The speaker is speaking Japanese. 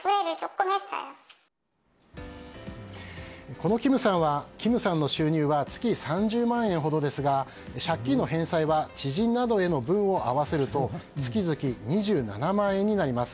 このキムさんの収入は月３０万ほどですが借金の返済を知人などへの分を合わせると月々２７万円になります。